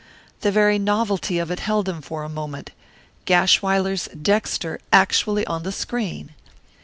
The very novelty of it held him for a moment Gashwiler's Dexter actually on the screen!